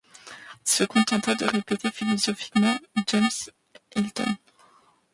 se contenta de répéter philosophiquement James Hilton.